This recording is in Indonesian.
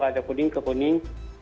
atau kuning ke kuning